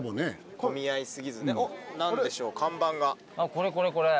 これこれこれ。